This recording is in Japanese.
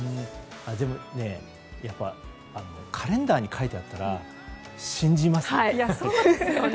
でもカレンダーに書いてあったら信じますよね。